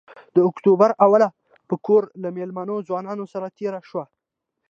د اکتوبر اوله په کور له مېلمنو ځوانانو سره تېره شوه.